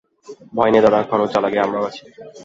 ভয় নেই দাদা, খরচ যা লাগে আমরাও আছি।